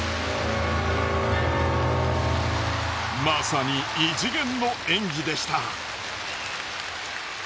まさに異次元の演技でした。